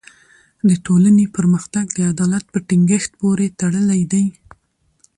د ټولني پرمختګ د عدالت په ټینګښت پوری تړلی دی.